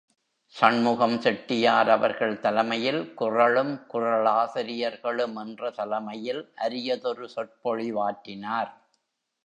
சண்முகம் செட்டியார் அவர்கள் தலைமை யில் குறளும் குறளாசிரியர்களும் என்ற தலைமையில் அரியதொரு சொற்பொழிவாற்றினார்.